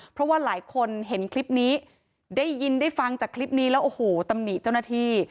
เพราะว่าหลายคนเห็นคลิปนี้ได้ยินได้ฟังจากคลิปนี้แล้วโอ้โหตำหนิเจ้าหน้าที่